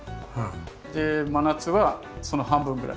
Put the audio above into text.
で真夏はその半分ぐらい。